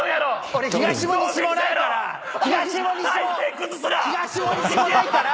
俺東も西もないから。